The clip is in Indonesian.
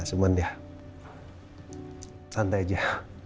cuman ya santai aja